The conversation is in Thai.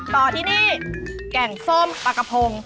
ต่อที่นี่แกงส้มปลากระพง